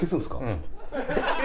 うん。